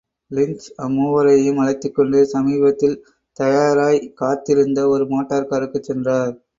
Lynch அம்மூவரையும் அழைத்துக் கொண்டு சமீபத்தில் தயாராய்க்காத் திருந்த ஒரு மோட்டார்காருக்குச் சென்றார்.